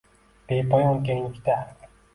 Bepoyon kenglikda